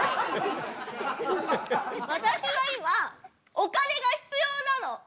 私は今お金が必要なの！